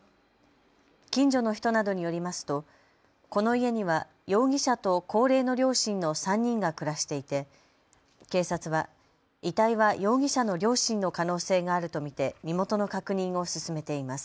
近所の人などによりますとこの家には容疑者と高齢の両親の３人が暮らしていて警察は遺体は容疑者の両親の可能性があると見て身元の確認を進めています。